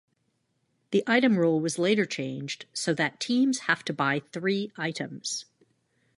The item rule was later changed so that teams have to buy three items.